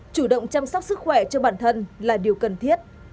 chủ động chăm sóc sức khỏe cho bản thân là điều cần thiết